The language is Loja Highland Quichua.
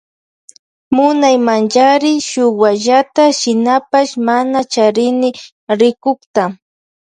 Munaymanchari shuk wallata shinapash mana charini rikukta.